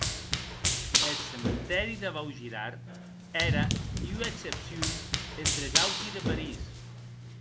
Eth cementèri de Vaugirard ère ua excepcion entre es auti de París.